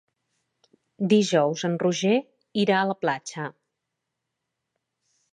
Dijous en Roger irà a la platja.